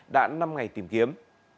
đã năm ngày tìm kiếm